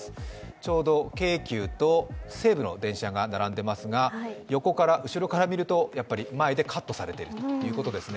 ちょうど京急と西武の電車が並んでいますが、後ろから見ると、カットされているということですね。